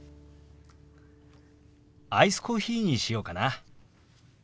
アイスコーヒーにしようかな。